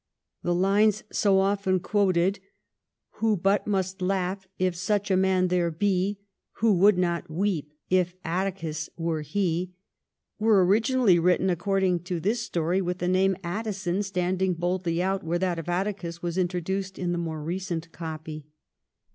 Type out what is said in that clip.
The lines so often quoted : "Who but must laugh, if such a man there be ? Who would not weep, if Atticus were he ? were written originally, according to this story, with the name of Addison standing boldly out where that of Atticus was introduced in the more recent copy.